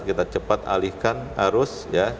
kita cepat alihkan arus